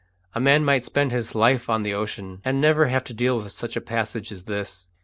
A man might spend his life on the ocean and never have to deal with such a passage as this.